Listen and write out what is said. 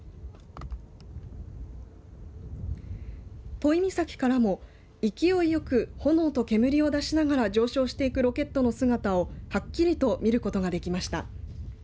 都井岬からも勢いよく炎と煙を出しながら上昇していくロケットの姿をはっきりと見ることができました。